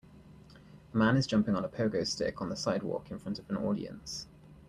A man is jumping on a pogo stick on the sidewalk in front of an audience.